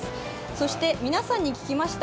そして皆さんに聞きました。